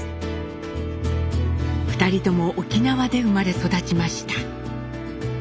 ２人とも沖縄で生まれ育ちました。